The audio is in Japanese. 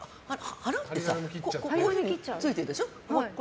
花ってここについてるでしょ。